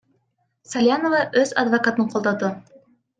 Салянова өз адвокатын колдоду.